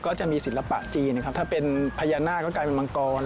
ก็จะมีศิลปะจีนนะครับถ้าเป็นพญานาคก็กลายเป็นมังกร